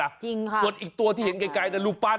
ไปแล้วนะจริงค่ะดูอีกตัวที่เห็นไกลแต่รูปปั้น